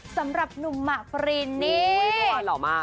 สำหรับหนุ่มหมากฟรีนนี่